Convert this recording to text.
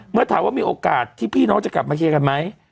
เมื่อถามว่ามีโอกาสที่พี่น้องจะกลับมาเคลียร์กันไหม